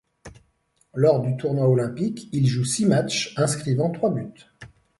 Lors du tournoi olympique, il joue six matchs, inscrivant trois buts.